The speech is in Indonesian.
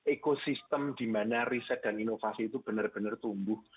ekosistem di mana riset dan inovasi itu benar benar tumbuh